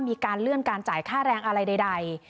มีการเลื่อนการจ่ายค่าแรงอะไรใด